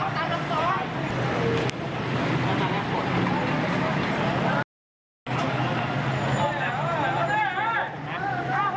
สิฟะสุดเยี่ยมมากณะหลัศพว่าเดียวไปเจ้าหน้าที่สุด